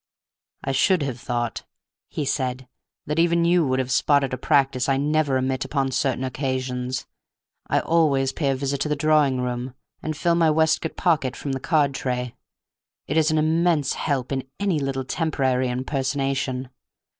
"I should have thought," he said, "that even you would have spotted a practice I never omit upon certain occasions. I always pay a visit to the drawing room, and fill my waistcoat pocket from the card tray. It is an immense help in any little temporary impersonation.